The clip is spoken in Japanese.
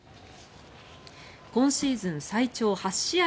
今シーズン最長８試合